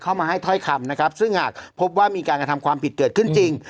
มาให้ถ้อยคำนะครับซึ่งหากพบว่ามีการกระทำความผิดเกิดขึ้นจริง